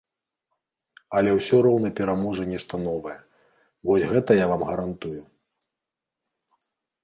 Але ўсё роўна пераможа нешта новае, вось гэта я вам гарантую.